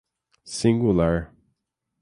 singular